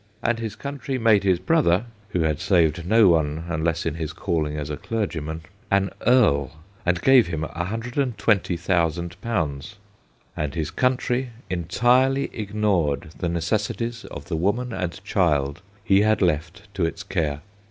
And his country made his brother, who had saved no one unless in his calling as a clergyman, an earl, and gave him 120,000. And his country entirely ignored the necessities of the woman and child he had left to its care.